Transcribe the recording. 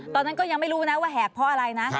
ตอนนั้นก็ยังไม่รู้นะว่าแหกเพราะอะไรนะ